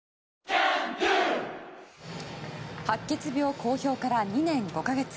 白血病公表から２年５か月。